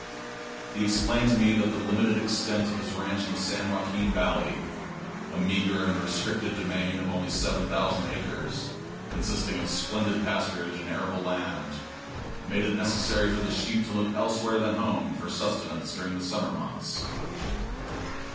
He explained to me that the limited extent of his ranch in the San Joaquin Valley a meager and restricted demesne of only 7,000 acres, consisting of splendid pasturage and arable land made it necessary for the sheep to look elsewhere than at home for sustenance during the summer months.